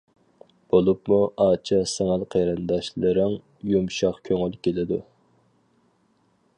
بولۇپمۇ ئاچا-سىڭىل قېرىنداشلىرىڭ يۇمشاق كۆڭۈل كېلىدۇ.